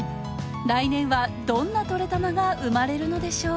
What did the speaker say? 来年はどんな「トレたま」が生まれるのでしょう？